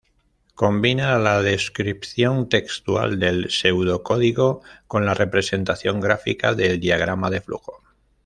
Combina la descripción textual del pseudocódigo con la representación gráfica del diagrama de flujo.